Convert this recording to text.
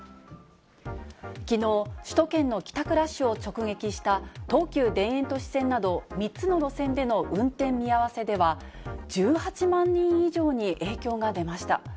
きのう、首都圏の帰宅ラッシュを直撃した、東急田園都市線など３つの路線での運転見合わせでは、１８万人以上に影響が出ました。